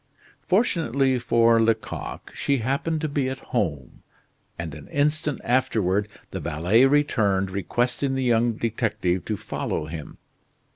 Fortunately for Lecoq, she happened to be at home, and an instant afterward the valet returned requesting the young detective to follow him.